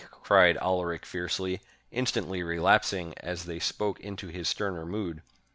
cried Alaric fiercely, instantly relapsing as they spoke into his sterner mood.